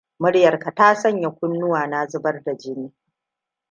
Muryarka ta sanya kunnuwa na zubar da jini!